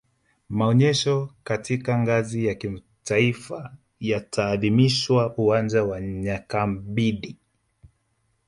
maonyesho katika ngazi ya kitaifa yataadhimishwa uwanja wa nyakabindi